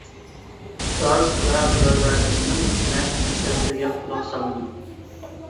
ئۇستاز ۋە بۇرادەرلىرىمنىڭ پەند - نەسىھەتلىرىگە قۇلاق سالمىدىم.